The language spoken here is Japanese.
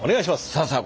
さあさあ